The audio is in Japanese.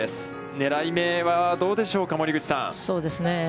狙いめはどうでしょうか、森口さん。